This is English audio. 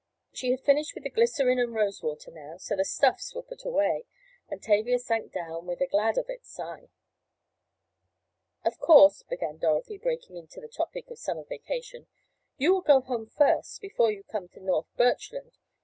She had finished with the glycerine and rose water now, so the "stuffs" were put away and Tavia sank down with a "glad of it" sigh. "Of course," began Dorothy, breaking into the topic of summer vacation, "you will go home first, before you come to North Birchland.